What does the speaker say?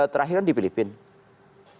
terakhir di filipina